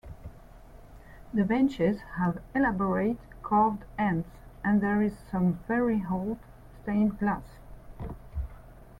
The benches have elaborate carved ends, and there is some very old stained glass.